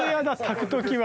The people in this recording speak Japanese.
焚く時は。